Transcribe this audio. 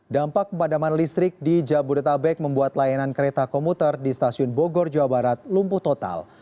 dampak pemadaman listrik di jabodetabek membuat layanan kereta komuter di stasiun bogor jawa barat lumpuh total